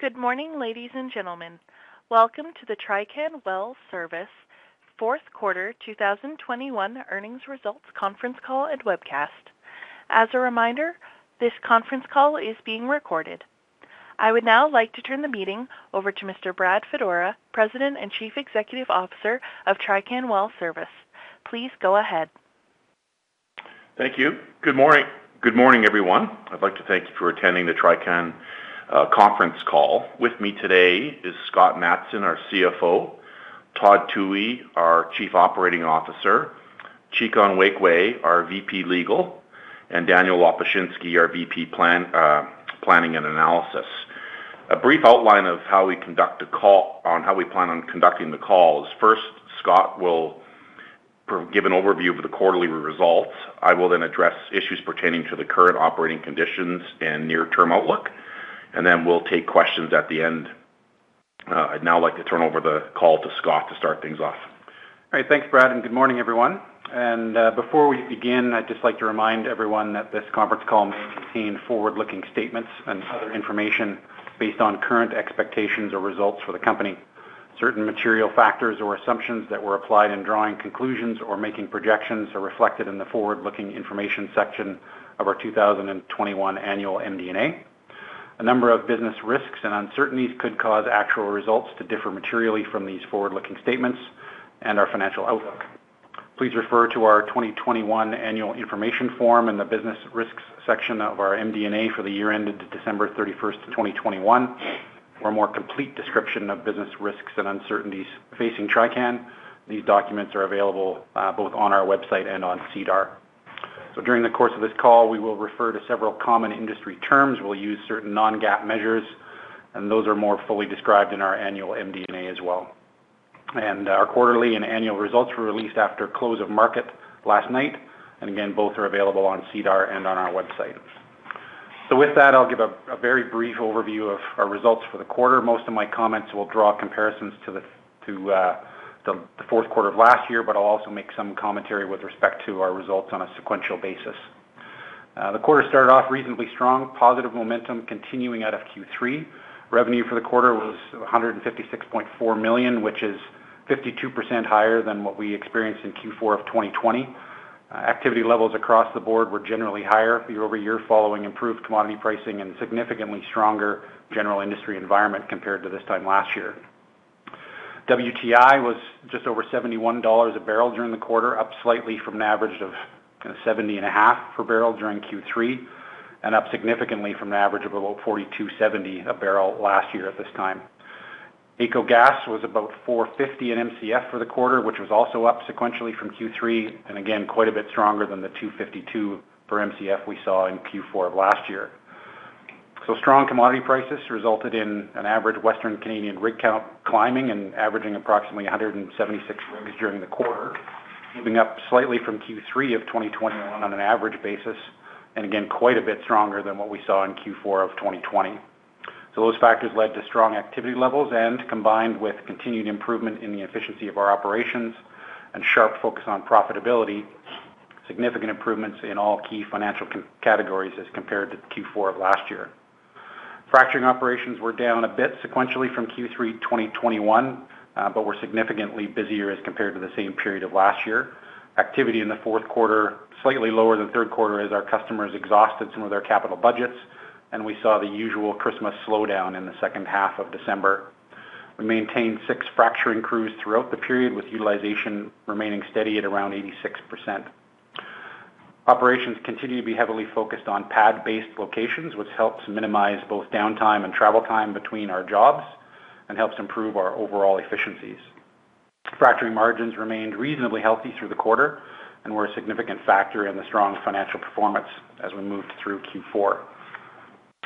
Good morning, ladies and gentlemen. Welcome to the Trican Well Service Fourth Quarter 2021 Earnings Results Conference Call and Webcast. As a reminder, this conference call is being recorded. I would now like to turn the meeting over to Mr. Brad Fedora, President and Chief Executive Officer of Trican Well Service. Please go ahead. Thank you. Good morning. Good morning, everyone. I'd like to thank you for attending the Trican Conference Call. With me today is Scott Matson, our CFO, Todd Thue, our Chief Operating Officer, Chika Onwuekwe, our VP Legal, and Daniel Lopushinsky, our VP Planning and Analysis. A brief outline of how we plan on conducting the call is, first, Scott will give an overview of the quarterly results. I will then address issues pertaining to the current operating conditions and near-term outlook, and then we'll take questions at the end. I'd now like to turn over the call to Scott to start things off. All right. Thanks, Brad, and good morning, everyone. Before we begin, I'd just like to remind everyone that this conference call may contain forward-looking statements and other information based on current expectations or results for the company. Certain material factors or assumptions that were applied in drawing conclusions or making projections are reflected in the forward-looking information section of our 2021 annual MD&A. A number of business risks and uncertainties could cause actual results to differ materially from these forward-looking statements and our financial outlook. Please refer to our 2021 annual information form and the business risks section of our MD&A for the year ended December 31, 2021 for a more complete description of business risks and uncertainties facing Trican. These documents are available both on our website and on SEDAR. During the course of this call, we will refer to several common industry terms. We'll use certain non-GAAP measures, and those are more fully described in our annual MD&A as well. Our quarterly and annual results were released after close of market last night. Again, both are available on SEDAR and on our website. With that, I'll give a very brief overview of our results for the quarter. Most of my comments will draw comparisons to the fourth quarter of last year, but I'll also make some commentary with respect to our results on a sequential basis. The quarter started off reasonably strong, positive momentum continuing out of Q3. Revenue for the quarter was 156.4 million, which is 52% higher than what we experienced in Q4 of 2020. Activity levels across the board were generally higher year-over-year, following improved commodity pricing and significantly stronger general industry environment compared to this time last year. WTI was just over $71 a barrel during the quarter, up slightly from an average of $70.5 per barrel during Q3, and up significantly from an average of about $42.70 a barrel last year at this time. AECO Gas was about 4.50 in Mcf for the quarter, which was also up sequentially from Q3, and again, quite a bit stronger than the 2.52 for Mcf we saw in Q4 of last year. Strong commodity prices resulted in an average Western Canadian rig count climbing and averaging approximately 176 rigs during the quarter, moving up slightly from Q3 2021 on an average basis, and again, quite a bit stronger than what we saw in Q4 2020. Those factors led to strong activity levels and, combined with continued improvement in the efficiency of our operations and sharp focus on profitability, significant improvements in all key financial categories as compared to Q4 of last year. Fracturing operations were down a bit sequentially from Q3 2021, but were significantly busier as compared to the same period of last year. Activity in the fourth quarter, slightly lower than third quarter as our customers exhausted some of their capital budgets, and we saw the usual Christmas slowdown in the second half of December. We maintained six fracturing crews throughout the period, with utilization remaining steady at around 86%. Operations continue to be heavily focused on pad-based locations, which helps minimize both downtime and travel time between our jobs and helps improve our overall efficiencies. Fracturing margins remained reasonably healthy through the quarter and were a significant factor in the strong financial performance as we moved through Q4.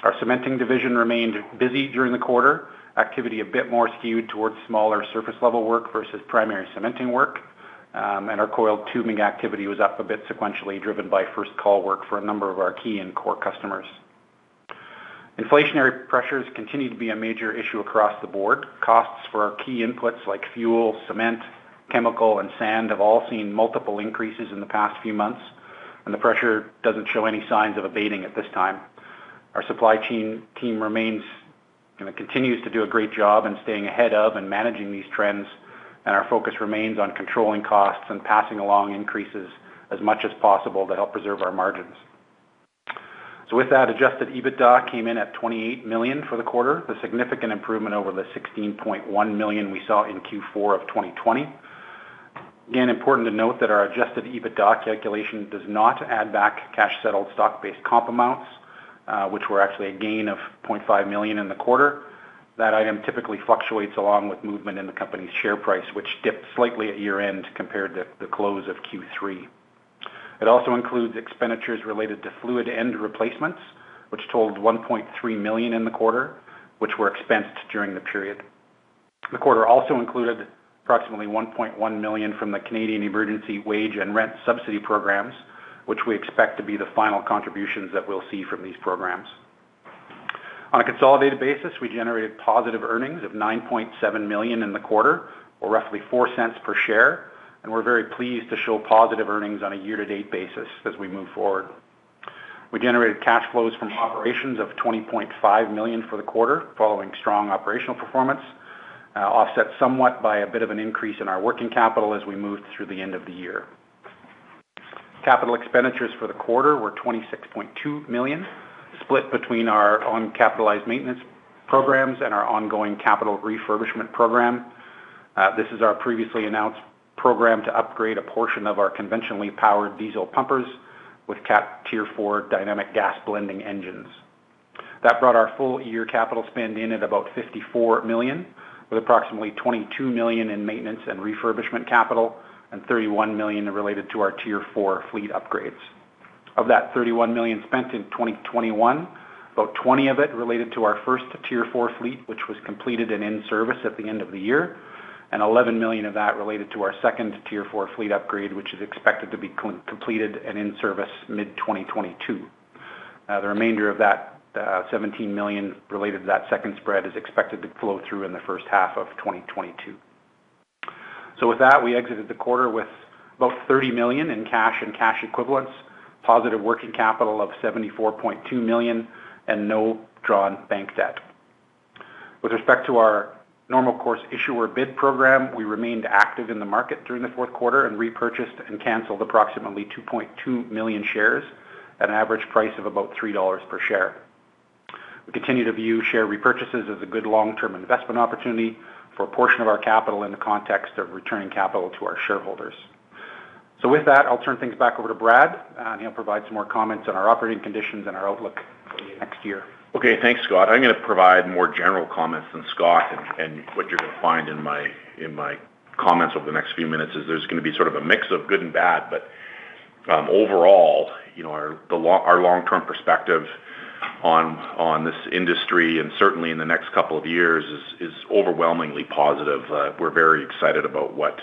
Our cementing division remained busy during the quarter, with activity a bit more skewed towards smaller surface level work versus primary cementing work. Our coiled tubing activity was up a bit sequentially, driven by first call work for a number of our key and core customers. Inflationary pressures continue to be a major issue across the board. Costs for our key inputs like fuel, cement, chemical, and sand have all seen multiple increases in the past few months, and the pressure doesn't show any signs of abating at this time. Our supply chain team remains and continues to do a great job in staying ahead of and managing these trends, and our focus remains on controlling costs and passing along increases as much as possible to help preserve our margins. Adjusted EBITDA came in at 28 million for the quarter, a significant improvement over the 16.1 million we saw in Q4 of 2020. Again, important to note that our adjusted EBITDA calculation does not add back cash-settled stock-based comp amounts, which were actually a gain of 0.5 million in the quarter. That item typically fluctuates along with movement in the company's share price, which dipped slightly at year-end compared to the close of Q3. It also includes expenditures related to fluid end replacements, which totaled 1.3 million in the quarter, which were expensed during the period. The quarter also included approximately 1.1 million from the Canada Emergency Wage Subsidy and Canada Emergency Rent Subsidy programs, which we expect to be the final contributions that we'll see from these programs. On a consolidated basis, we generated positive earnings of 9.7 million in the quarter, or roughly 0.04 per share, and we're very pleased to show positive earnings on a year-to-date basis as we move forward. We generated cash flows from operations of 20.5 million for the quarter following strong operational performance, offset somewhat by a bit of an increase in our working capital as we moved through the end of the year. Capital expenditures for the quarter were 26.2 million, split between our uncapitalized maintenance programs and our ongoing capital refurbishment program. This is our previously announced program to upgrade a portion of our conventionally powered diesel pumpers with Cat Tier 4 dynamic gas blending engines. That brought our full year capital spend in at about 54 million, with approximately 22 million in maintenance and refurbishment capital and 31 million related to our Tier 4 fleet upgrades. Of that 31 million spent in 2021, about 20 of it related to our first Tier 4 fleet, which was completed and in service at the end of the year, and 11 million of that related to our second Tier 4 fleet upgrade, which is expected to be completed and in service mid-2022. The remainder of that, 17 million related to that second spread is expected to flow through in the first half of 2022. With that, we exited the quarter with about 30 million in cash and cash equivalents, positive working capital of 74.2 million, and no drawn bank debt. With respect to our Normal Course Issuer Bid program, we remained active in the market during the fourth quarter and repurchased and canceled approximately 2.2 million shares at an average price of about 3 dollars per share. We continue to view share repurchases as a good long-term investment opportunity for a portion of our capital in the context of returning capital to our shareholders. With that, I'll turn things back over to Brad, and he'll provide some more comments on our operating conditions and our outlook for the next year. Okay, thanks, Scott. I'm gonna provide more general comments than Scott, and what you're gonna find in my comments over the next few minutes is there's gonna be sort of a mix of good and bad. But overall, you know, our long-term perspective on this industry and certainly in the next couple of years is overwhelmingly positive. We're very excited about what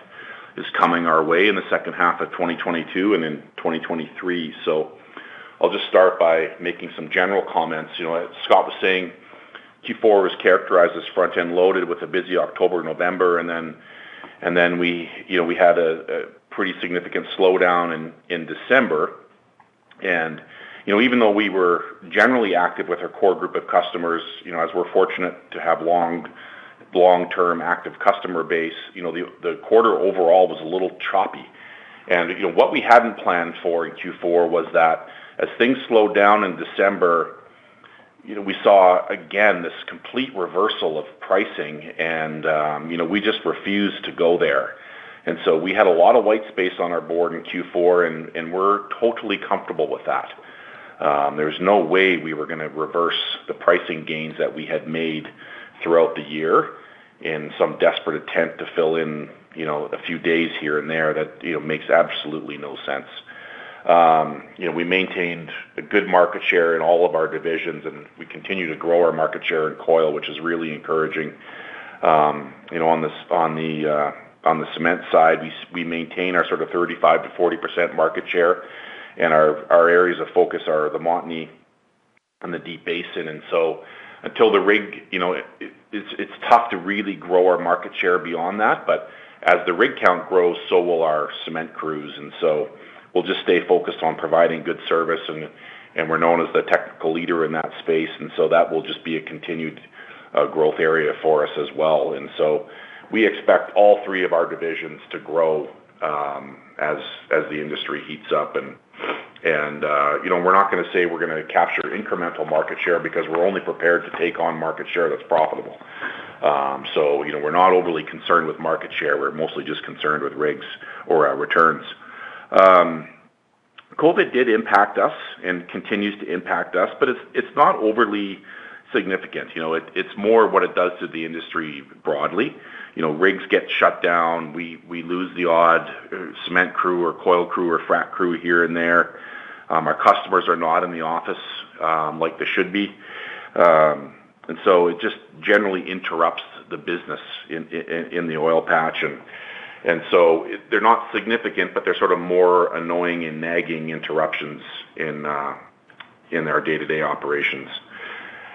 is coming our way in the second half of 2022 and in 2023. I'll just start by making some general comments. As Scott was saying, Q4 was characterized as front-end loaded with a busy October, November, and then we had a pretty significant slowdown in December. Even though we were generally active with our core group of customers, you know, as we're fortunate to have long, long-term active customer base, you know, the quarter overall was a little choppy. What we hadn't planned for in Q4 was that as things slowed down in December, you know, we saw again this complete reversal of pricing and, you know, we just refused to go there. We had a lot of white space on our board in Q4, and we're totally comfortable with that. There's no way we were gonna reverse the pricing gains that we had made throughout the year in some desperate attempt to fill in, you know, a few days here and there that, you know, makes absolutely no sense. We maintained a good market share in all of our divisions, and we continue to grow our market share in coil, which is really encouraging. On the cement side, we maintain our sort of 35%-40% market share, and our areas of focus are the Montney and the Deep Basin. Until the rig, you know, it's tough to really grow our market share beyond that. As the rig count grows, so will our cement crews. We'll just stay focused on providing good service, and we're known as the technical leader in that space. That will just be a continued growth area for us as well. We expect all three of our divisions to grow as the industry heats up. We're not gonna say we're gonna capture incremental market share because we're only prepared to take on market share that's profitable. So, you know, we're not overly concerned with market share. We're mostly just concerned with rigs or returns. COVID did impact us and continues to impact us, but it's not overly significant. It's more what it does to the industry broadly. You know, rigs get shut down. We lose the odd cement crew or coil crew or frac crew here and there. Our customers are not in the office like they should be. It just generally interrupts the business in the oil patch. They're not significant, but they're sort of more annoying and nagging interruptions in our day-to-day operations.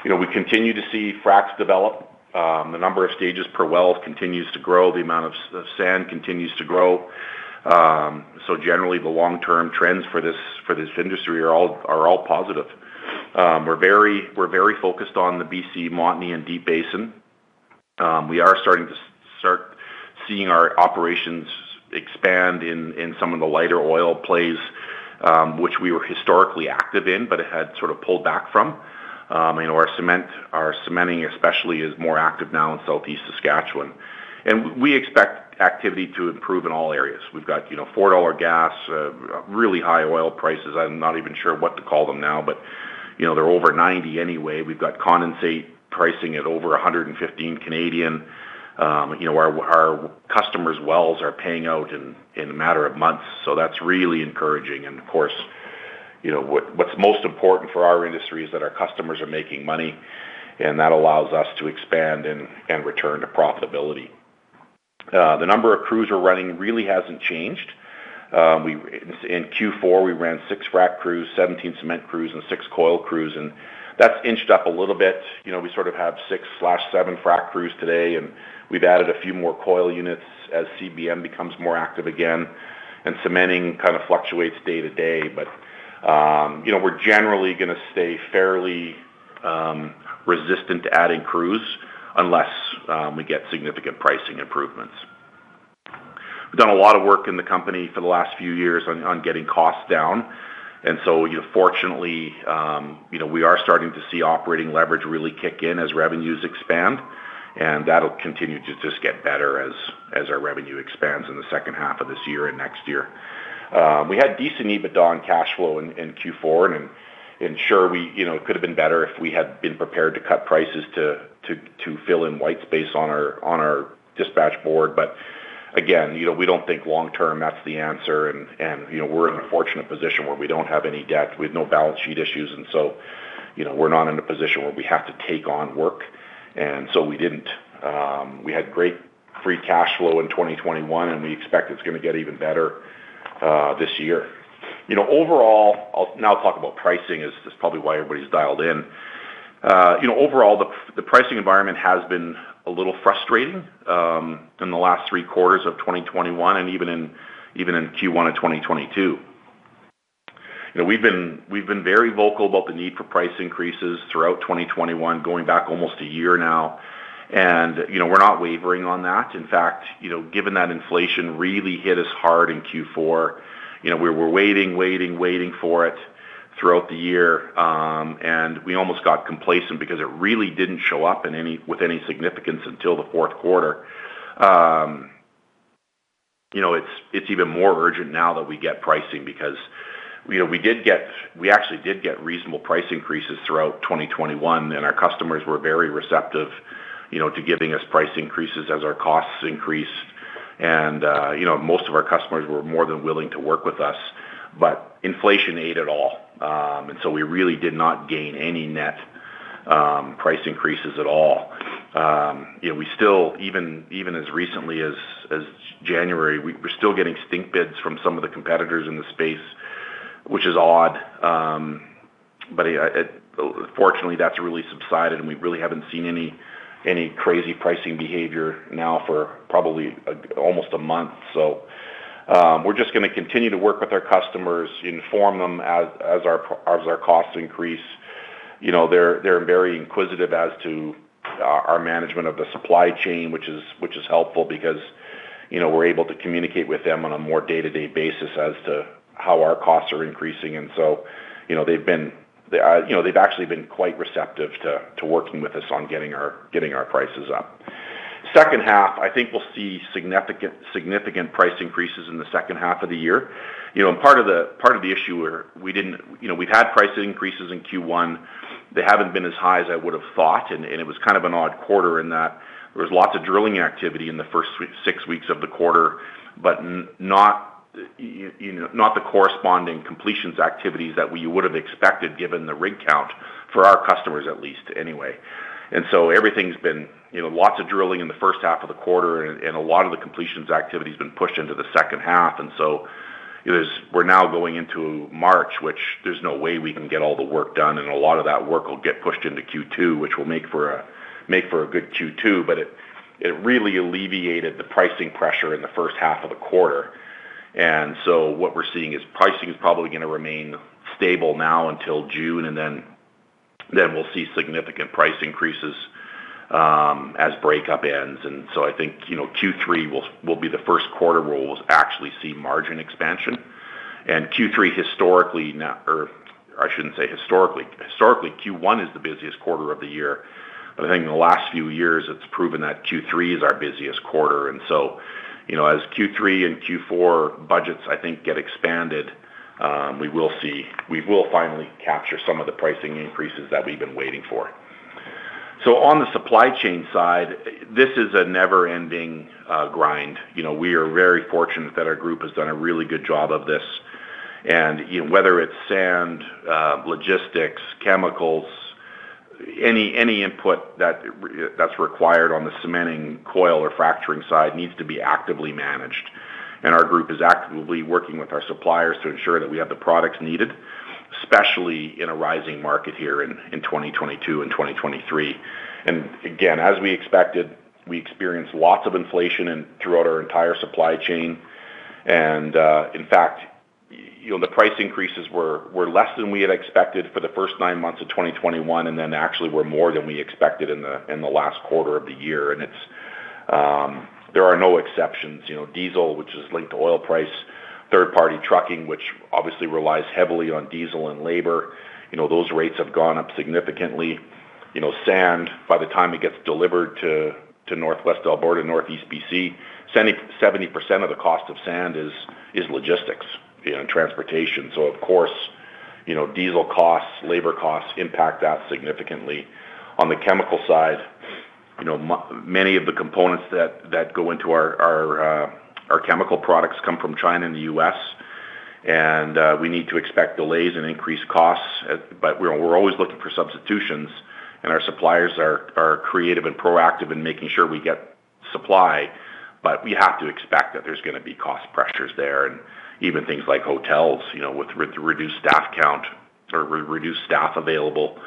You know, we continue to see fracs develop. The number of stages per well continues to grow. The amount of sand continues to grow. So generally, the long-term trends for this industry are all positive. We're very focused on the B.C. Montney and Deep Basin. We are starting to see our operations expand in some of the lighter oil plays, which we were historically active in, but had sort of pulled back from. You know, our cementing especially is more active now in southeast Saskatchewan. We expect activity to improve in all areas. We've got, you know, 4 dollar gas, really high oil prices. I'm not even sure what to call them now, but, you know, they're over 90 anyway. We've got condensate pricing at over 115. You know, our customers' wells are paying out in a matter of months, so that's really encouraging. Of course, you know, what's most important for our industry is that our customers are making money, and that allows us to expand and return to profitability. The number of crews we're running really hasn't changed. In Q4, we ran six frac crews, 17 cement crews, and six coil crews, and that's inched up a little bit. We sort of have 6-7 frac crews today, and we've added a few more coil units as CBM becomes more active again. Cementing kind of fluctuates day to day, but, you know, we're generally gonna stay fairly, resistant to adding crews unless, we get significant pricing improvements. We've done a lot of work in the company for the last few years on getting costs down. Fortunately, you know, we are starting to see operating leverage really kick in as revenues expand, and that'll continue to just get better as our revenue expands in the second half of this year and next year. We had decent EBITDA and cash flow in Q4, and sure we, you know, it could have been better if we had been prepared to cut prices to fill in white space on our dispatch board. Again, you know, we don't think long term that's the answer, and you know, we're in a fortunate position where we don't have any debt, we have no balance sheet issues, and so, you know, we're not in a position where we have to take on work, and so we didn't. We had great free cash flow in 2021, and we expect it's gonna get even better this year. You know, overall, I'll now talk about pricing is probably why everybody's dialed in. You know, overall, the pricing environment has been a little frustrating in the last three quarters of 2021 and even in Q1 of 2022. We've been very vocal about the need for price increases throughout 2021, going back almost a year now, and, you know, we're not wavering on that. In fact, you know, given that inflation really hit us hard in Q4, you know, we were waiting for it throughout the year, and we almost got complacent because it really didn't show up with any significance until the fourth quarter. It's even more urgent now that we get pricing because, you know, we actually did get reasonable price increases throughout 2021, and our customers were very receptive, you know, to giving us price increases as our costs increased. Most of our customers were more than willing to work with us. Inflation ate it all, and we really did not gain any net price increases at all. We still, even as recently as January, we're still getting stink bids from some of the competitors in the space, which is odd. Fortunately, that's really subsided, and we really haven't seen any crazy pricing behavior now for probably almost a month. We're just gonna continue to work with our customers, inform them as our costs increase. You know, they're very inquisitive as to our management of the supply chain, which is helpful because, you know, we're able to communicate with them on a more day-to-day basis as to how our costs are increasing. They've actually been quite receptive to working with us on getting our prices up. Second half, I think we'll see significant price increases in the second half of the year. You know, part of the issue where we didn't. We've had price increases in Q1. They haven't been as high as I would have thought, and it was kind of an odd quarter in that there was lots of drilling activity in the first six weeks of the quarter, but not, you know, not the corresponding completions activities that we would have expected given the rig count for our customers at least anyway. Everything's been, you know, lots of drilling in the first half of the quarter and a lot of the completions activity has been pushed into the second half. You know, we're now going into March, which there's no way we can get all the work done, and a lot of that work will get pushed into Q2, which will make for a good Q2. It really alleviated the pricing pressure in the first half of the quarter. What we're seeing is pricing is probably gonna remain stable now until June, and then we'll see significant price increases as breakup ends. I think, you know, Q3 will be the first quarter where we'll actually see margin expansion. Q3 historically now, or I shouldn't say historically. Historically, Q1 is the busiest quarter of the year. I think in the last few years, it's proven that Q3 is our busiest quarter. You know, as Q3 and Q4 budgets, I think, get expanded, we will finally capture some of the pricing increases that we've been waiting for. On the supply chain side, this is a never-ending grind. We are very fortunate that our group has done a really good job of this. Whether it's sand, logistics, chemicals, any input that's required on the cementing coil or fracturing side needs to be actively managed. Our group is actively working with our suppliers to ensure that we have the products needed, especially in a rising market here in 2022 and 2023. Again, as we expected, we experienced lots of inflation throughout our entire supply chain. In fact, you know, the price increases were less than we had expected for the first nine months of 2021, and then actually were more than we expected in the last quarter of the year. There are no exceptions. Diesel, which is linked to oil price, third-party trucking, which obviously relies heavily on diesel and labor, you know, those rates have gone up significantly. You know, sand, by the time it gets delivered to Northwest Alberta, Northeast BC, 70% of the cost of sand is logistics and transportation. Of course, you know, diesel costs, labor costs impact that significantly. On the chemical side, you know, many of the components that go into our chemical products come from China and the U.S., and we need to expect delays and increased costs. We're always looking for substitutions, and our suppliers are creative and proactive in making sure we get supply. We have to expect that there's gonna be cost pressures there. Even things like hotels, you know, with reduced staff count or reduced staff available.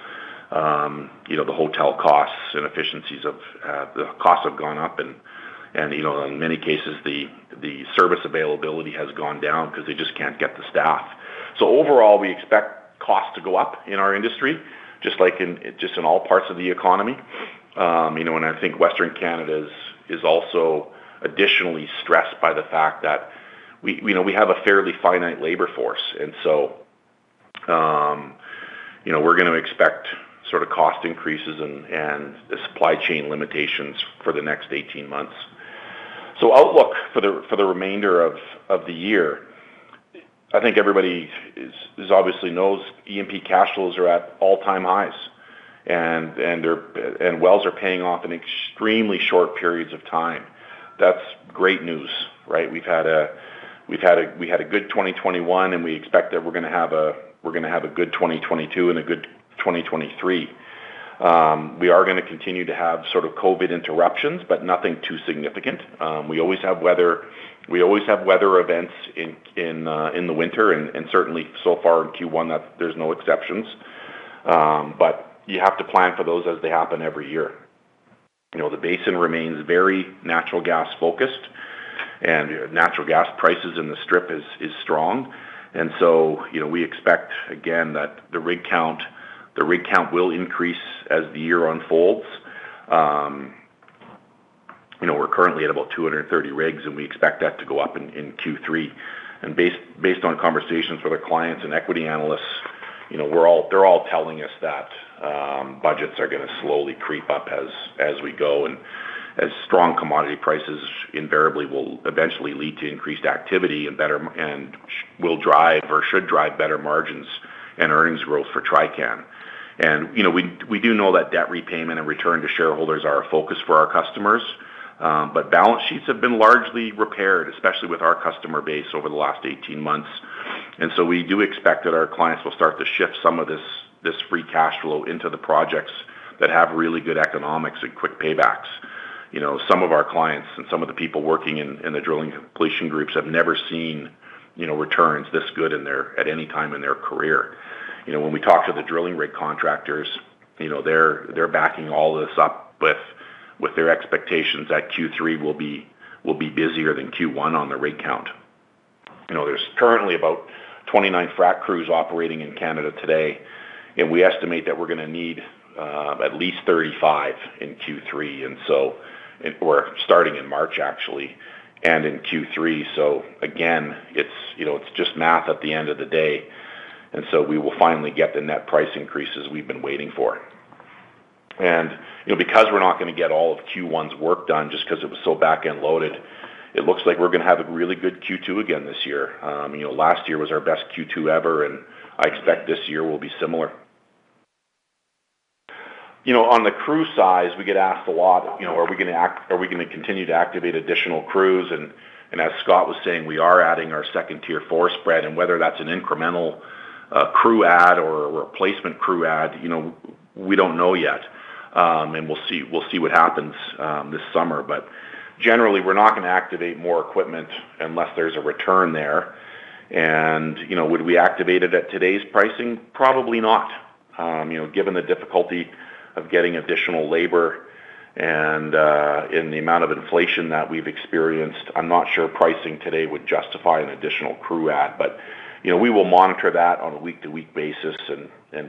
You know, the hotel costs and efficiencies of the costs have gone up and, you know, in many cases, the service availability has gone down because they just can't get the staff. Overall, we expect costs to go up in our industry, just like in all parts of the economy. You know, I think Western Canada is also additionally stressed by the fact that we, you know, we have a fairly finite labor force. You know, we're going to expect sort of cost increases and the supply chain limitations for the next 18 months. Outlook for the remainder of the year, I think everybody obviously knows E&P cash flows are at all-time highs and their wells are paying off in extremely short periods of time. That's great news, right? We had a good 2021 and we expect that we're going to have a good 2022 and a good 2023. We are going to continue to have sort of COVID interruptions, but nothing too significant. We always have weather events in the winter and certainly so far in Q1 there's no exceptions. But you have to plan for those as they happen every year. You know, the basin remains very natural gas focused and natural gas prices in the strip is strong. We expect again that the rig count will increase as the year unfolds. We're currently at about 230 rigs and we expect that to go up in Q3. Based on conversations with our clients and equity analysts, you know, they're all telling us that budgets are going to slowly creep up as we go and as strong commodity prices invariably will eventually lead to increased activity and better and will drive or should drive better margins and earnings growth for Trican. You know, we do know that debt repayment and return to shareholders are a focus for our customers. Balance sheets have been largely repaired, especially with our customer base over the last 18 months. We do expect that our clients will start to shift some of this free cash flow into the projects that have really good economics and quick paybacks. Some of our clients and some of the people working in the drilling and completion groups have never seen, you know, returns this good in their, at any time in their career. When we talk to the drilling rig contractors, you know, they're backing all this up with their expectations that Q3 will be busier than Q1 on the rig count. There's currently about 29 frac crews operating in Canada today. We estimate that we're going to need at least 35 in Q3. We're starting in March actually, and in Q3. Again, it's, you know, it's just math at the end of the day. We will finally get the net price increases we've been waiting for. You know, because we're not going to get all of Q1's work done just because it was so back end loaded, it looks like we're going to have a really good Q2 again this year. Last year was our best Q2 ever. I expect this year will be similar. You know, on the crew size, we get asked a lot, you know, are we going to act, are we going to continue to activate additional crews? As Scott was saying, we are adding our second Tier 4 spread and whether that's an incremental, crew add or replacement crew add, you know, we don't know yet. We'll see what happens this summer, but generally we're not going to activate more equipment unless there's a return there. You know, would we activate it at today's pricing? Probably not. You know, given the difficulty of getting additional labor and in the amount of inflation that we've experienced, I'm not sure pricing today would justify an additional crew add, but you know, we will monitor that on a week to week basis.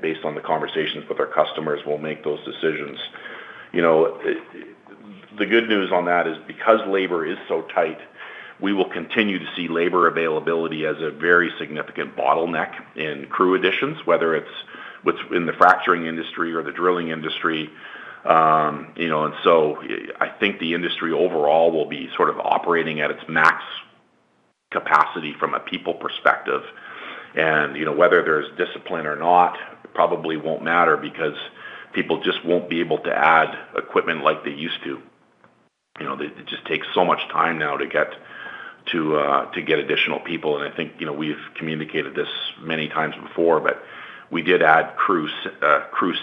Based on the conversations with our customers, we'll make those decisions. You know, the good news on that is because labor is so tight, we will continue to see labor availability as a very significant bottleneck in crew additions, whether it's what's in the fracturing industry or the drilling industry. I think the industry overall will be sort of operating at its max capacity from a people perspective. You know, whether there's discipline or not, it probably won't matter because people just won't be able to add equipment like they used to. You know, it just takes so much time now to get additional people. I think, you know, we've communicated this many times before, but we did add crew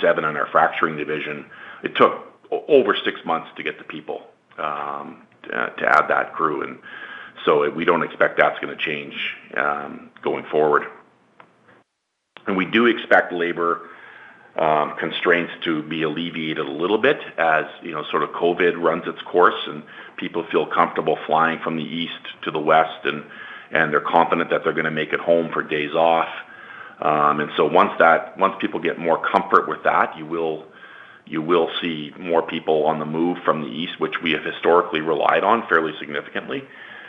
seven on our fracturing division. It took over six months to get the people to add that crew. We don't expect that's going to change going forward. We do expect labor constraints to be alleviated a little bit as, you know, sort of COVID runs its course and people feel comfortable flying from the East to the West and they're confident that they're going to make it home for days off. Once that, once people get more comfort with that, you will see more people on the move from the East, which we have historically relied on fairly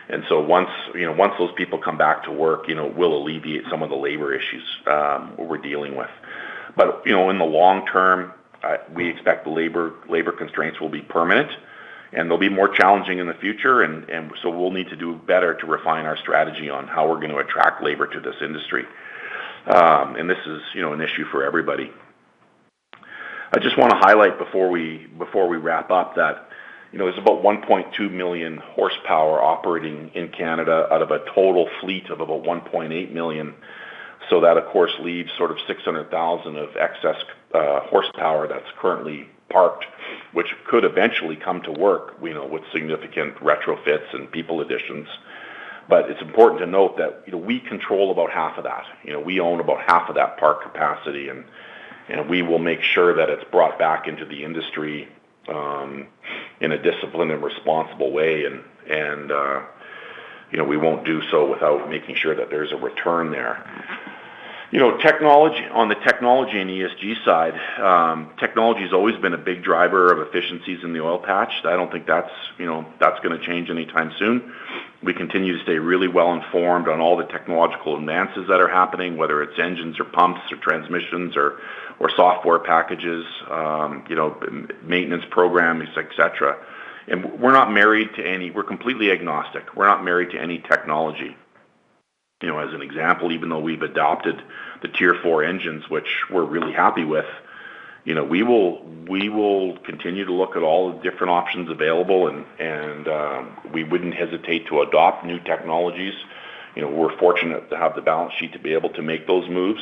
significantly. Once, you know, once those people come back to work, you know, we'll alleviate some of the labor issues we're dealing with. In the long-term, we expect the labor constraints will be permanent and there'll be more challenging in the future. We'll need to do better to refine our strategy on how we're going to attract labor to this industry. This is, you know, an issue for everybody. I just want to highlight before we wrap up that, you know, there's about 1.2 million horsepower operating in Canada out of a total fleet of about 1.8 million. That of course leaves sort of 600,000 of excess horsepower that's currently parked, which could eventually come to work, you know, with significant retrofits and people additions. It's important to note that, you know, we control about half of that. We own about half of that park capacity, and we will make sure that it's brought back into the industry in a disciplined and responsible way. We won't do so without making sure that there's a return there. On the technology and ESG side, technology's always been a big driver of efficiencies in the oil patch. I don't think that's, you know, gonna change anytime soon. We continue to stay really well informed on all the technological advances that are happening, whether it's engines or pumps or transmissions or software packages, you know, maintenance programs, et cetera. We're not married to any. We're completely agnostic. We're not married to any technology. As an example, even though we've adopted the Tier 4 engines, which we're really happy with, you know, we will continue to look at all the different options available and, we wouldn't hesitate to adopt new technologies. We're fortunate to have the balance sheet to be able to make those moves.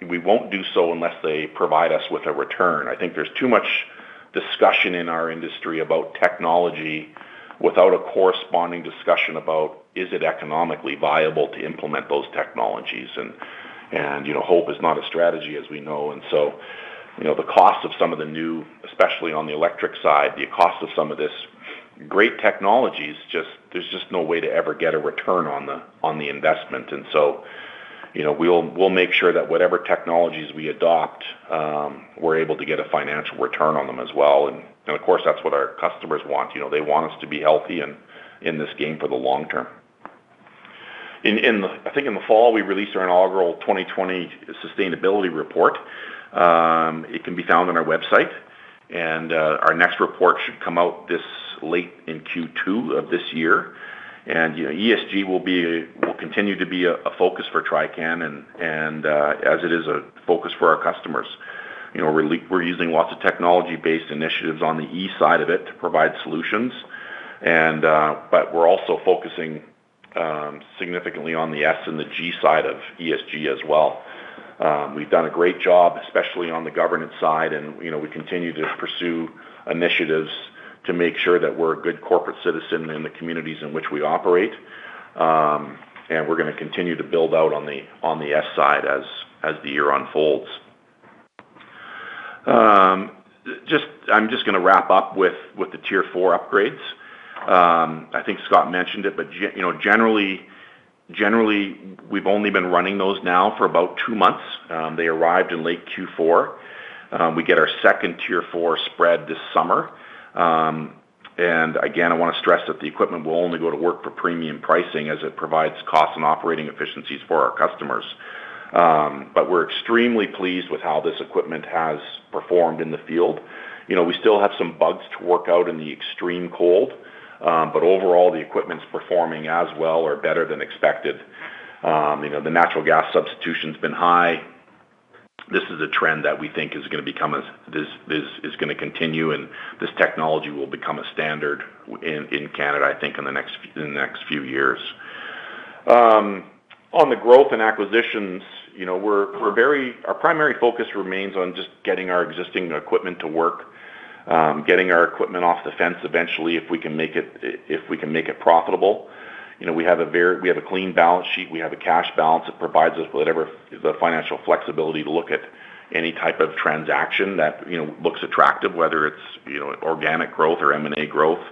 We won't do so unless they provide us with a return. I think there's too much discussion in our industry about technology without a corresponding discussion about, is it economically viable to implement those technologies? Hope is not a strategy, as we know. You know, the cost of some of the new, especially on the electric side, the cost of some of this great technology is just, there's just no way to ever get a return on the investment. We'll make sure that whatever technologies we adopt, we're able to get a financial return on them as well. Of course, that's what our customers want. They want us to be healthy and in this game for the long term. I think in the fall, we released our inaugural 2020 sustainability report. It can be found on our website, and our next report should come out this late in Q2 of this year. ESG will continue to be a focus for Trican and as it is a focus for our customers. You know, we're using lots of technology-based initiatives on the E side of it to provide solutions. But we're also focusing significantly on the S and the G side of ESG as well. We've done a great job, especially on the governance side, and, you know, we continue to pursue initiatives to make sure that we're a good corporate citizen in the communities in which we operate. We're gonna continue to build out on the S side as the year unfolds. I'm just gonna wrap up with the Tier 4 upgrades. I think Scott mentioned it, but you know, generally, we've only been running those now for about two months. They arrived in late Q4. We get our second Tier 4 spread this summer. Again, I wanna stress that the equipment will only go to work for premium pricing as it provides cost and operating efficiencies for our customers. We're extremely pleased with how this equipment has performed in the field. We still have some bugs to work out in the extreme cold, but overall, the equipment's performing as well or better than expected. You know, the natural gas substitution's been high. This is a trend that we think is gonna continue, and this technology will become a standard in Canada, I think in the next few years. On the growth and acquisitions, you know, our primary focus remains on just getting our existing equipment to work, getting our equipment off the fence eventually, if we can make it profitable. You know, we have a clean balance sheet. We have a cash balance that provides us with the financial flexibility to look at any type of transaction that, you know, looks attractive, whether it's, you know, organic growth or M&A growth.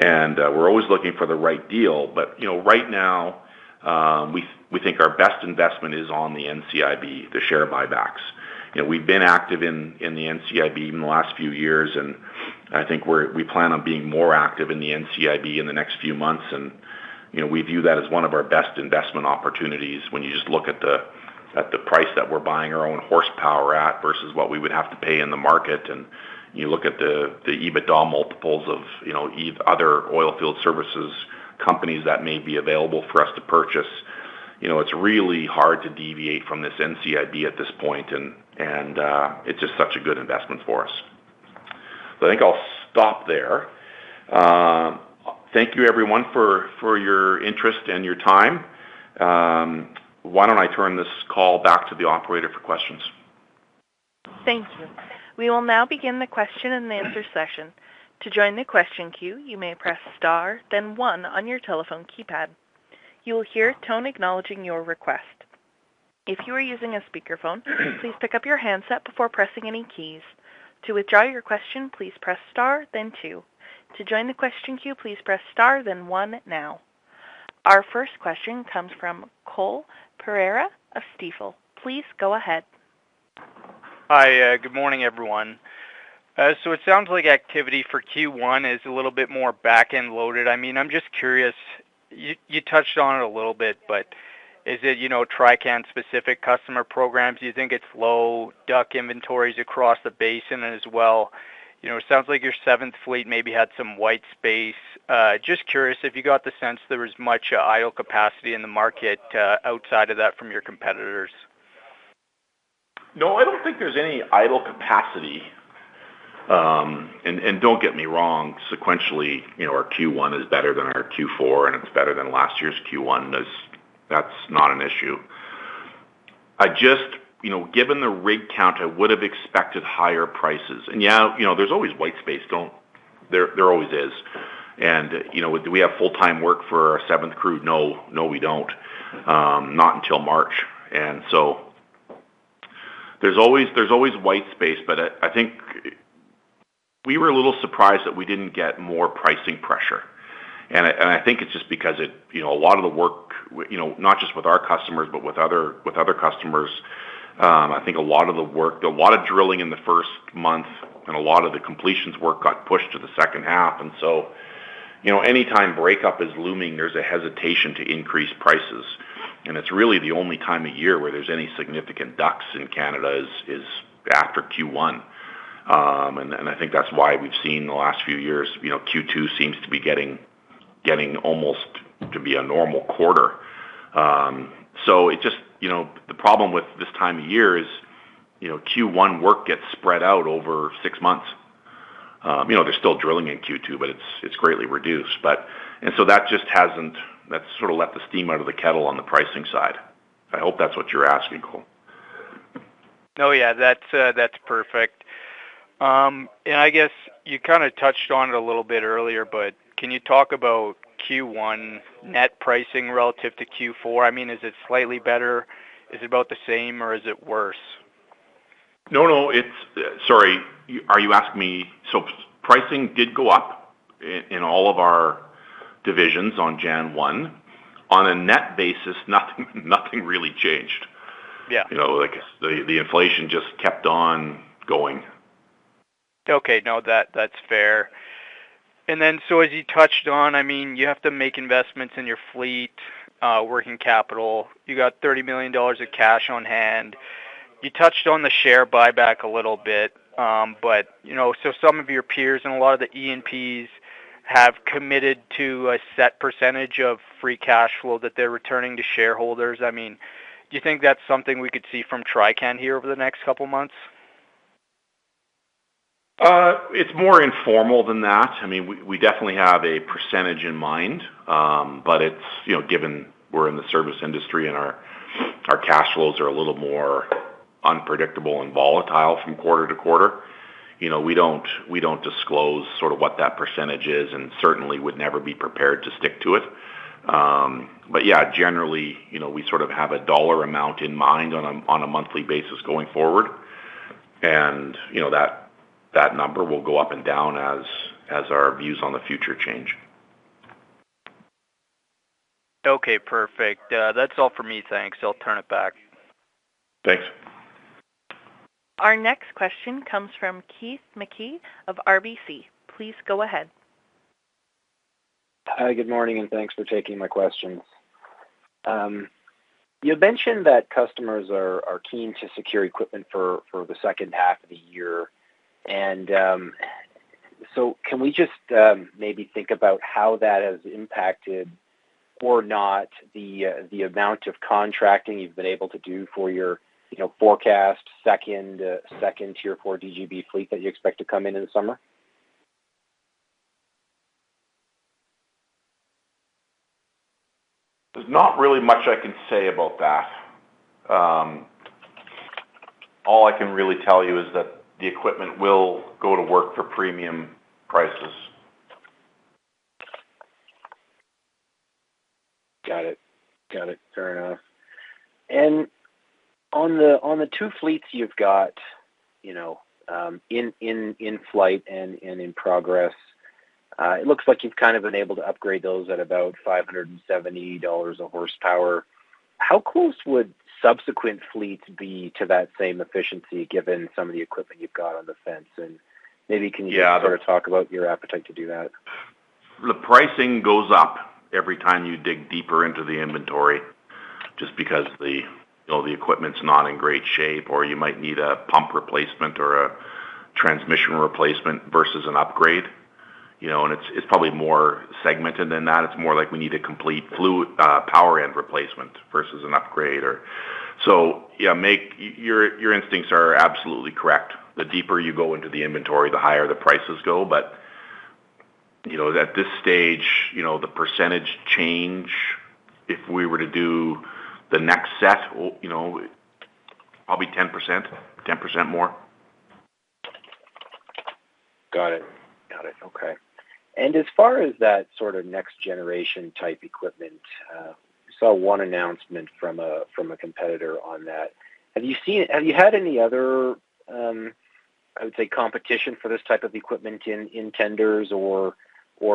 We're always looking for the right deal. RIght now, we think our best investment is on the NCIB, the share buybacks. You know, we've been active in the NCIB in the last few years, and I think we plan on being more active in the NCIB in the next few months. You know, we view that as one of our best investment opportunities when you just look at the price that we're buying our own horsepower at versus what we would have to pay in the market. You look at the EBITDA multiples of, you know, other oilfield services companies that may be available for us to purchase. You know, it's really hard to deviate from this NCIB at this point. It's just such a good investment for us. I think I'll stop there. Thank you everyone for your interest and your time. Why don't I turn this call back to the operator for questions? Thank you. We will now begin the question and answer session. To join the question queue you may press star then one on your telephone keypad. You'll hear a tone acknowledging your request. If you're using speaker phone please pick up your hands up before pressing any keys. To rejoin your question please press star then two. To join the question que please press start then one now. Our first question comes from Cole Pereira of Stifel. Please go ahead. Hi. Good morning, everyone. So it sounds like activity for Q1 is a little bit more back-end loaded. I mean, I'm just curious, you touched on it a little bit, but is it, you know, Trican-specific customer programs? Do you think it's low DUC inventories across the basin as well? You know, it sounds like your seventh fleet maybe had some white space. Just curious if you got the sense there was much idle capacity in the market, outside of that from your competitors. No, I don't think there's any idle capacity. And don't get me wrong, sequentially, you know, our Q1 is better than our Q4, and it's better than last year's Q1. That's not an issue. I just, you know, given the rig count, I would have expected higher prices. Yeah, you know, there's always white space. There always is. You know, do we have full-time work for our seventh crew? No, we don't, not until March. There's always white space, but I think we were a little surprised that we didn't get more pricing pressure. I think it's just because. You know, a lot of the work, you know, not just with our customers, but with other customers, I think a lot of the work, a lot of drilling in the first month and a lot of the completions work got pushed to the second half. You know, anytime breakup is looming, there's a hesitation to increase prices. It's really the only time of year where there's any significant cuts in Canada after Q1. I think that's why we've seen the last few years, you know, Q2 seems to be getting almost to be a normal quarter. You know, the problem with this time of year is, you know, Q1 work gets spread out over six months. They're still drilling in Q2, but it's greatly reduced. That sort of let the steam out of the kettle on the pricing side. I hope that's what you're asking, Cole. Oh, yeah. That's perfect. I guess you kinda touched on it a little bit earlier, but can you talk about Q1 net pricing relative to Q4? I mean, is it slightly better? Is it about the same, or is it worse? No. Sorry. Are you asking me? Pricing did go up in all of our divisions on January 1. On a net basis, nothing really changed. Yeah. You know, like, the inflation just kept on going. Okay. No, that's fair. As you touched on, I mean, you have to make investments in your fleet, working capital. You got 30 million dollars of cash on hand. You touched on the share buyback a little bit, but, you know, some of your peers and a lot of the E&Ps have committed to a set percentage of free cash flow that they're returning to shareholders. I mean, do you think that's something we could see from Trican here over the next couple of months? It's more informal than that. I mean, we definitely have a percentage in mind, but it's, you know, given we're in the service industry and our cash flows are a little more unpredictable and volatile from quarter to quarter, you know, we don't disclose sort of what that percentage is and certainly would never be prepared to stick to it. But yeah, generally, you know, we sort of have a dollar amount in mind on a monthly basis going forward. You know, that number will go up and down as our views on the future change. Okay, perfect. That's all for me. Thanks. I'll turn it back. Thanks. Our next question comes from Keith Mackey of RBC. Please go ahead. Hi. Good morning, and thanks for taking my questions. You mentioned that customers are keen to secure equipment for the second half of the year. Can we just maybe think about how that has impacted or not the amount of contracting you've been able to do for your forecast second Tier 4 DGB fleet that you expect to come in in the summer? There's not really much I can say about that. All I can really tell you is that the equipment will go to work for premium prices. Got it. Fair enough. On the two fleets you've got, you know, in flight and in progress, it looks like you've kind of been able to upgrade those at about $570 a horsepower. How close would subsequent fleets be to that same efficiency, given some of the equipment you've got on the fence? Maybe, can you- Yeah. Sort of talk about your appetite to do that? The pricing goes up every time you dig deeper into the inventory, just because the, you know, the equipment's not in great shape, or you might need a pump replacement or a transmission replacement versus an upgrade. You know, it's probably more segmented than that. It's more like we need a complete power end replacement versus an upgrade or. Yeah, your instincts are absolutely correct. The deeper you go into the inventory, the higher the prices go. You know, at this stage, you know the percentage change if we were to do the next set, you know, probably 10%. 10% more. Got it. Okay. As far as that sort of next generation type equipment, we saw one announcement from a competitor on that. Have you had any other, I would say, competition for this type of equipment in tenders or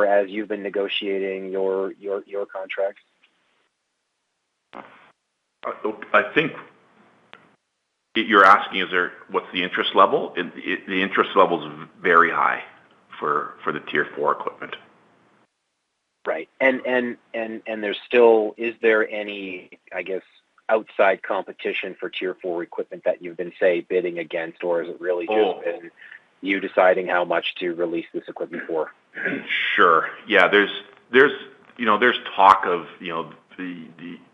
as you've been negotiating your contracts? I think you're asking, what's the interest level? The interest level is very high for the Tier 4 equipment. Right. Is there any, I guess, outside competition for Tier 4 equipment that you've been, say, bidding against, or is it really just? Oh. Are you deciding how much to release this equipment for? Sure. Yeah. There's you know, talk of you know,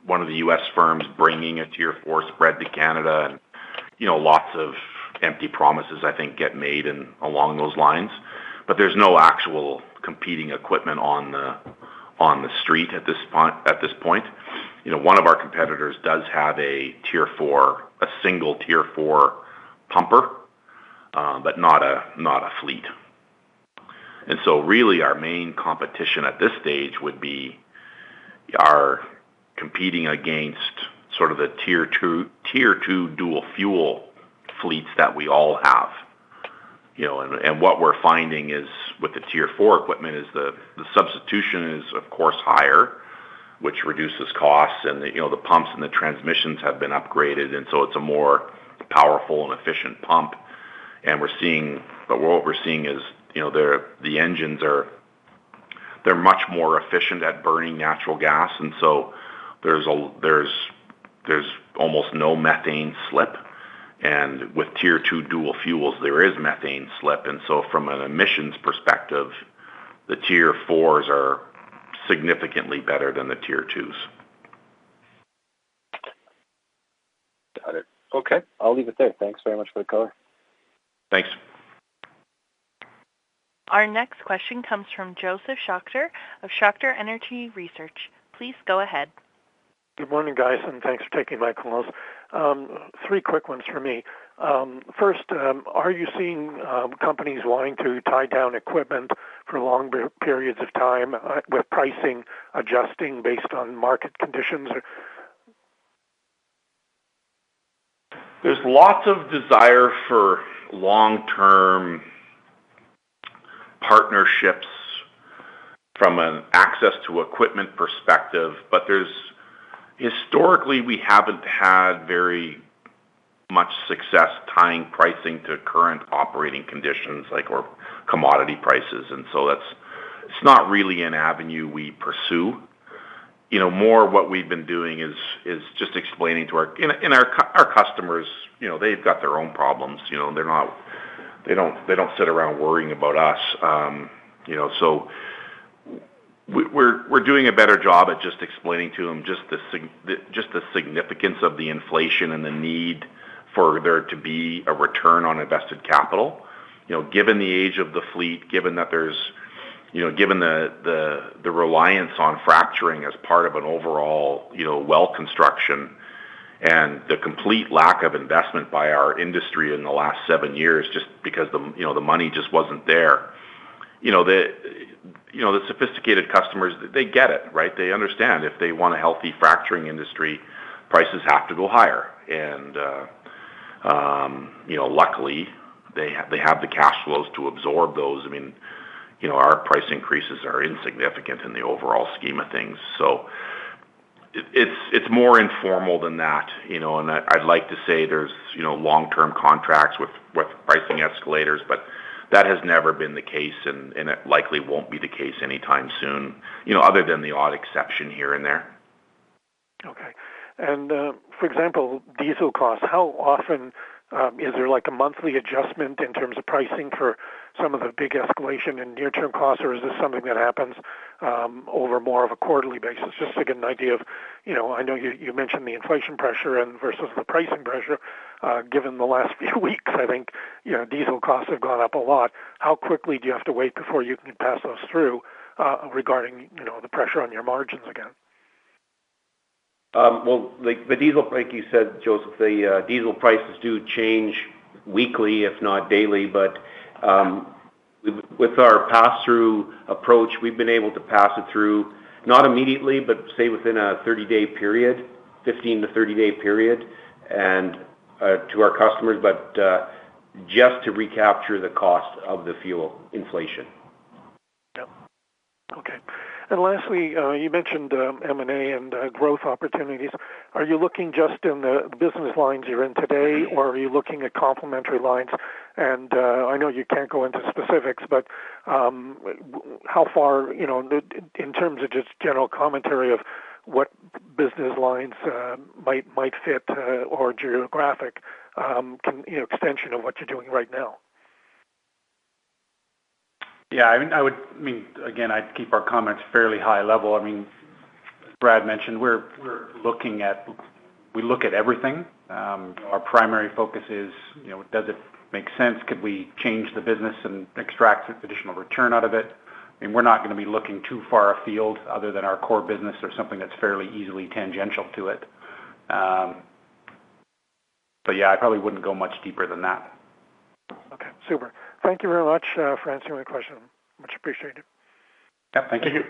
one of the U.S. firms bringing a Tier 4 spread to Canada and you know, lots of empty promises, I think, get made and along those lines, but there's no actual competing equipment on the street at this point. You know, one of our competitors does have a Tier 4. A single Tier 4 pumper, but not a fleet. Really our main competition at this stage would be us competing against sort of the Tier 2 dual fuel fleets that we all have. What we're finding is with the Tier 4 equipment the substitution is of course higher, which reduces costs and the, you know, the pumps and the transmissions have been upgraded, and so it's a more powerful and efficient pump. But what we're seeing is, you know, the engines are much more efficient at burning natural gas, and so there's almost no methane slip. With Tier 2 dual fuels there is methane slip. From an emissions perspective, the Tier 4s are significantly better than the Tier 2s. Got it. Okay, I'll leave it there. Thanks very much for the call. Thanks. Our next question comes from Josef Schachter of Schachter Energy Research. Please go ahead. Good morning, guys, and thanks for taking my calls. Three quick ones for me. First, are you seeing companies wanting to tie down equipment for longer periods of time with pricing adjusting based on market conditions? There's lots of desire for long-term partnerships from an access to equipment perspective. Historically, we haven't had very much success tying pricing to current operating conditions like, or commodity prices. That's, it's not really an avenue we pursue. More what we've been doing is just explaining to our customers, you know, they've got their own problems, you know, they don't sit around worrying about us. We're doing a better job at just explaining to them just the significance of the inflation and the need for there to be a return on invested capital. Given the age of the fleet, given that there's, you know, given the reliance on fracturing as part of an overall, you know, well construction and the complete lack of investment by our industry in the last seven years, just because the, you know, the money just wasn't there. The sophisticated customers, they get it, right? They understand if they want a healthy fracturing industry, prices have to go higher. Luckily, they have the cash flows to absorb those. I mean, you know, our price increases are insignificant in the overall scheme of things. It's more informal than that, you know. I'd like to say there's, you know, long-term contracts with pricing escalators, but that has never been the case and it likely won't be the case anytime soon, you know, other than the odd exception here and there. Okay. For example, diesel costs, how often is there like a monthly adjustment in terms of pricing for some of the big escalation in near-term costs, or is this something that happens over more of a quarterly basis? Just to get an idea of, you know, I know you mentioned the inflation pressure and versus the pricing pressure, given the last few weeks, I think, you know, diesel costs have gone up a lot. How quickly do you have to wait before you can pass those through, regarding, you know, the pressure on your margins again? Well, like the diesel, like you said, Josef, the diesel prices do change weekly if not daily. With our pass-through approach, we've been able to pass it through not immediately, but say within a 30-day period, 15- to 30-day period, and to our customers, but just to recapture the cost of the fuel inflation. Yep. Okay. Lastly, you mentioned M&A and growth opportunities. Are you looking just in the business lines you're in today, or are you looking at complementary lines? I know you can't go into specifics, but how far, you know, in terms of just general commentary of what business lines might fit or geographic expansion of what you're doing right now? Yeah, I mean, again, I'd keep our comments fairly high level. I mean, Brad mentioned we're looking at everything. Our primary focus is, you know, does it make sense? Could we change the business and extract additional return out of it? I mean, we're not gonna be looking too far afield other than our core business or something that's fairly easily tangential to it. Yeah, I probably wouldn't go much deeper than that. Okay, super. Thank you very much for answering my question. Much appreciated. Yeah. Thank you.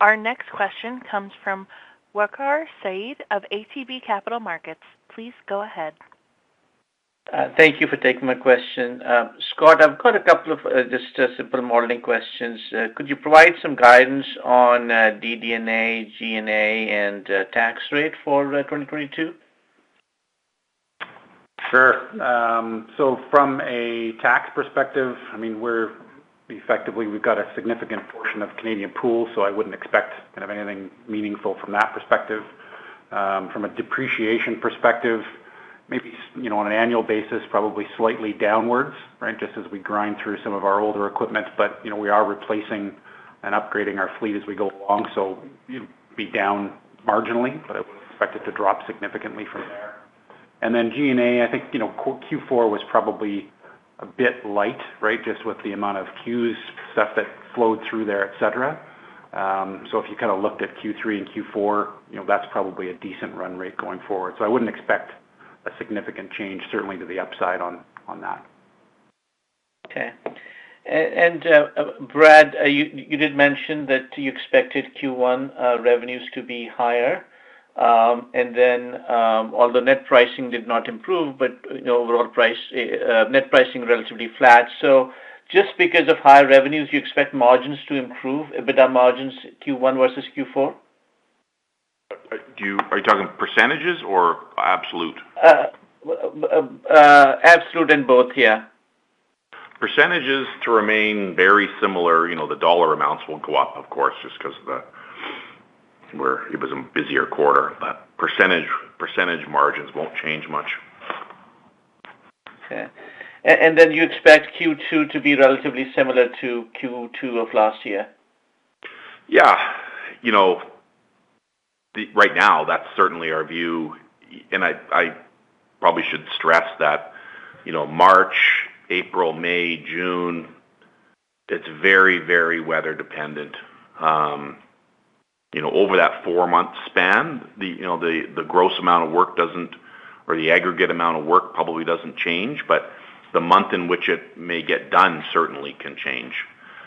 Our next question comes from Waqar Syed of ATB Capital Markets. Please go ahead. Thank you for taking my question. Scott, I've got a couple of just simple modeling questions. Could you provide some guidance on DD&A, G&A, and tax rate for 2022? Sure. From a tax perspective, I mean, we've got a significant portion of Canadian pool. I wouldn't expect kind of anything meaningful from that perspective. From a depreciation perspective. Maybe, you know, on an annual basis, probably slightly downwards, right? Just as we grind through some of our older equipment. You know, we are replacing and upgrading our fleet as we go along, so it'll be down marginally, but I wouldn't expect it to drop significantly from there. Then G&A, I think, you know, Q4 was probably a bit light, right? Just with the amount of accruals, stuff that flowed through there, et cetera. If you kind of looked at Q3 and Q4, you know, that's probably a decent run rate going forward. I wouldn't expect a significant change certainly to the upside on that. Okay. Brad, you did mention that you expected Q1 revenues to be higher. Although net pricing did not improve, but overall pricing net pricing relatively flat. Just because of higher revenues, you expect margins to improve, EBITDA margins Q1 versus Q4? Are you talking percentages or absolute? Absolute in both. Yeah. Percentages to remain very similar. You know, the dollar amounts will go up, of course, just because it was a busier quarter. Percentage margins won't change much. Okay. You expect Q2 to be relatively similar to Q2 of last year? Yeah. Right now, that's certainly our view. I probably should stress that, you know, March, April, May, June, it's very, very weather dependent. You know, over that four-month span, the gross amount of work doesn't or the aggregate amount of work probably doesn't change, but the month in which it may get done certainly can change.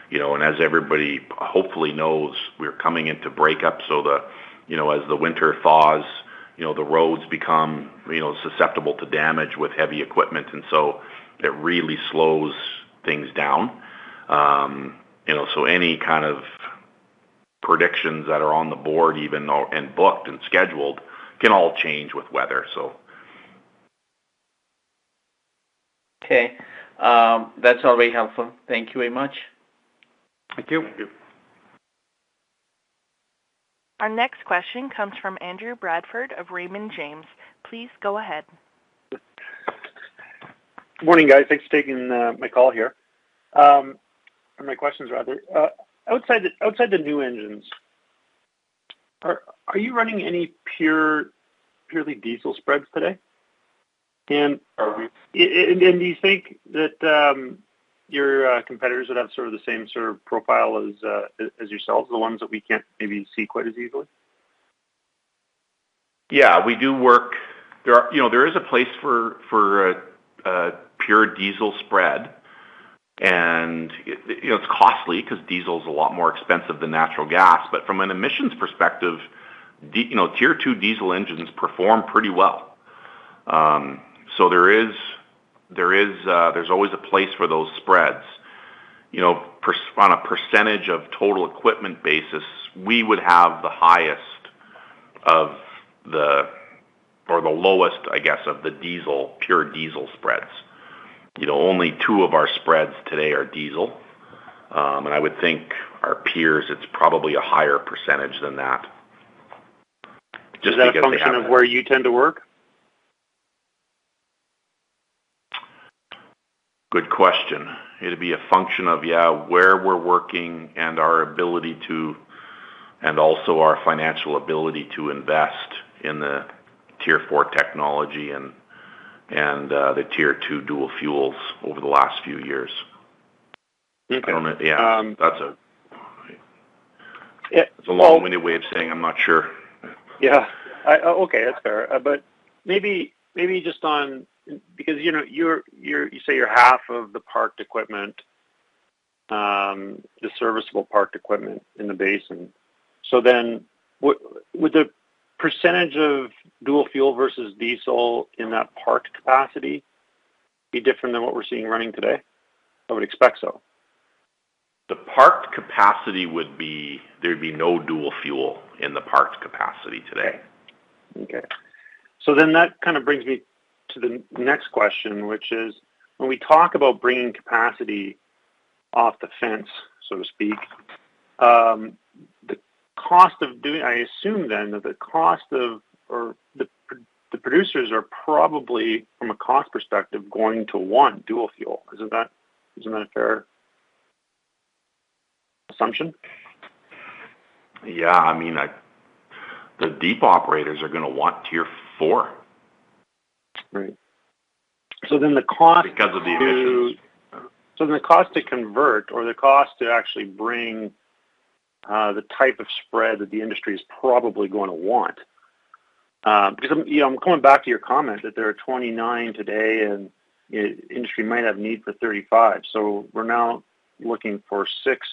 You know, as everybody hopefully knows, we're coming into breakup. The, you know, as the winter thaws, you know, the roads become, you know, susceptible to damage with heavy equipment, and so it really slows things down. Any kind of predictions that are on the board, even though, and booked and scheduled, can all change with weather, so. Okay. That's already helpful. Thank you very much. Thank you. Thank you. Our next question comes from Andrew Bradford of Raymond James. Please go ahead. Morning, guys. Thanks for taking my call here. Or my questions rather. Outside the new engines, are you running any purely diesel spreads today? And- Are we? Do you think that your competitors would have sort of the same sort of profile as yourselves, the ones that we can't maybe see quite as easily? Yeah, we do work. There, you know, there is a place for a pure diesel spread. It's costly because diesel is a lot more expensive than natural gas. From an emissions perspective, you know, Tier 2 diesel engines perform pretty well. So there's always a place for those spreads. You know, on a percentage of total equipment basis, we would have the highest of the or the lowest, I guess, of the diesel, pure diesel spreads. You know, only two of our spreads today are diesel. I would think our peers, it's probably a higher percentage than that just because they have. Is that a function of where you tend to work? Good question. It'd be a function of, yeah, where we're working and our ability and also our financial ability to invest in the Tier 4 technology and the Tier 2 dual fuels over the last few years. Okay. Yeah. Yeah. Well- It's a long-winded way of saying I'm not sure. Yeah. Okay, that's fair. Maybe just on, because, you know, you say you're half of the parked equipment, the serviceable parked equipment in the basin. Would the percentage of dual fuel versus diesel in that parked capacity be different than what we're seeing running today? I would expect so. The parked capacity would be there'd be no dual fuel in the parked capacity today. Okay. That kind of brings me to the next question, which is, when we talk about bringing capacity off the fence, so to speak, I assume then that the producers are probably, from a cost perspective, going to want dual fuel. Isn't that a fair assumption? Yeah. I mean, the deep operators are gonna want Tier 4. Right. Because of the emissions. The cost to convert or the cost to actually bring the type of spread that the industry is probably gonna want. Because I'm, you know, I'm coming back to your comment that there are 29 today and industry might have need for 35. We're now looking for 6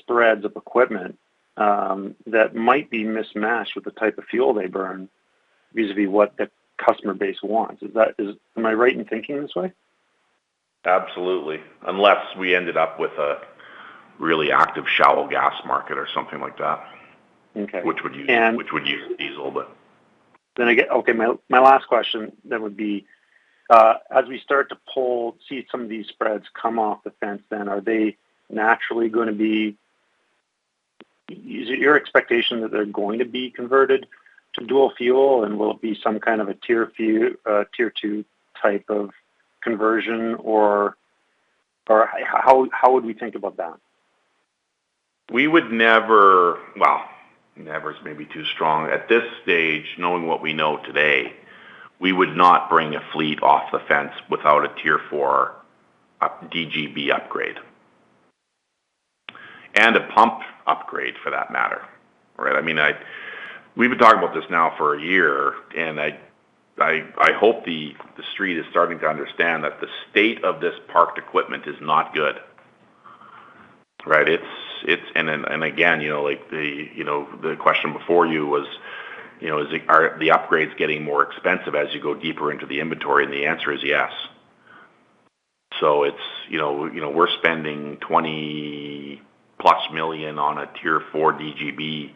spreads of equipment that might be mismatched with the type of fuel they burn vis-à-vis what the customer base wants. Am I right in thinking this way? Absolutely. Unless we ended up with a really active shallow gas market or something like that. Okay. Which would use- And- Which would use diesel, but. Again, okay, my last question then would be, as we start to see some of these spreads come off the fence then, is it your expectation that they're going to be converted to dual fuel and will it be some kind of a Tier 2 type of conversion? Or how would we think about that? We would never. Well, never is maybe too strong. At this stage, knowing what we know today, we would not bring a fleet off the fence without a Tier 4 DGB upgrade. A pump upgrade for that matter, right? I mean, we've been talking about this now for a year, and I hope the Street is starting to understand that the state of this parked equipment is not good, right? You know, like, the question before you was, you know, are the upgrades getting more expensive as you go deeper into the inventory? The answer is yes. It's, you know, we're spending 20+ million on a Tier 4 DGB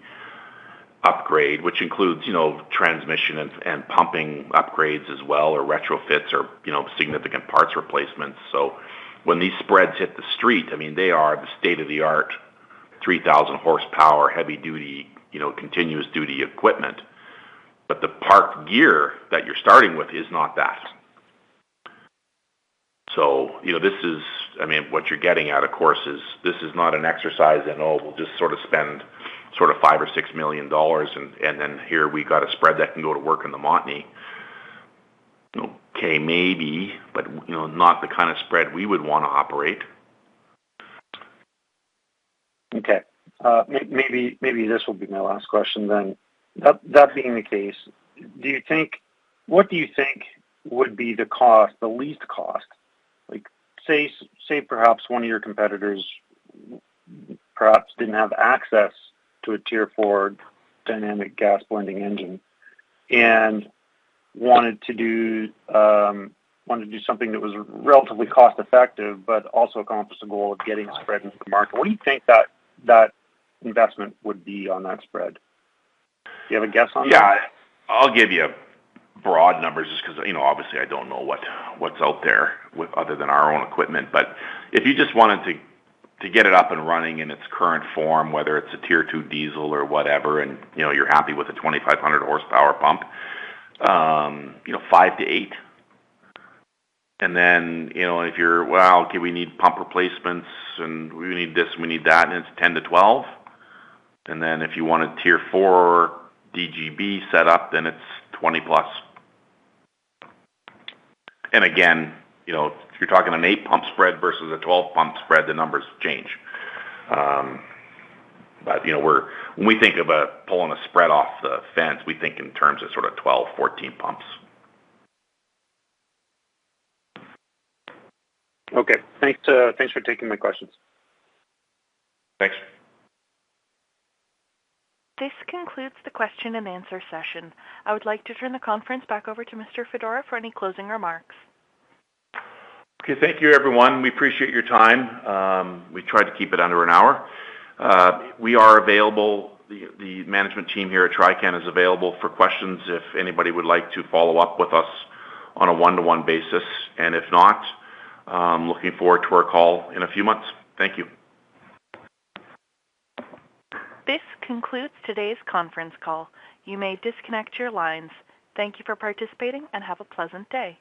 upgrade, which includes, you know, transmission and pumping upgrades as well, or retrofits or, you know, significant parts replacements. When these spreads hit the street, I mean, they are the state-of-the-art, 3,000 horsepower, heavy duty, you know, continuous duty equipment. The parked gear that you're starting with is not that. You know, this is, I mean, what you're getting, of course, is, this is not an exercise and, oh, we'll just sort of spend sort of 5 million or 6 million dollars and then here we got a spread that can go to work in the Montney. Okay, maybe, but, you know, not the kind of spread we would wanna operate. Okay. Maybe this will be my last question then. That being the case, what do you think would be the cost, the least cost? Like, say perhaps one of your competitors perhaps didn't have access to a Tier 4 dynamic gas blending engine and wanted to do something that was relatively cost-effective, but also accomplish the goal of getting spread into the market. What do you think that investment would be on that spread? Do you have a guess on that? Yeah. I'll give you broad numbers just 'cause, you know, obviously I don't know what's out there other than our own equipment. If you just wanted to get it up and running in its current form, whether it's a Tier 2 diesel or whatever, and, you know, you're happy with a 2,500 horsepower pump, you know, 5-8. Then, you know, if you're well, okay, we need pump replacements and we need this and we need that, and it's 10-12. Then if you want a Tier 4 DGB set up, then it's CAD 20+. Again, you know, if you're talking an 8-pump spread versus a 12-pump spread, the numbers change. You know, when we think about pulling a spread off the fence, we think in terms of sort of 12-14 pumps. Okay. Thanks for taking my questions. Thanks. This concludes the question and answer session. I would like to turn the conference back over to Mr. Fedora for any closing remarks. Okay. Thank you, everyone. We appreciate your time. We tried to keep it under an hour. We are available. The management team here at Trican is available for questions if anybody would like to follow up with us on a one-to-one basis. If not, looking forward to our call in a few months. Thank you. This concludes today's conference call. You may disconnect your lines. Thank you for participating and have a pleasant day.